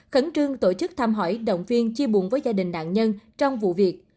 khẩn trương tổ chức tham hỏi động viên chia buộn với gia đình nạn nhân trong vụ việc